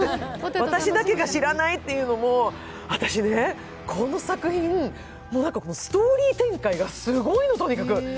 「私だけが知らない」っていうのも、この作品、ストーリー展開がすごいの、とにかく。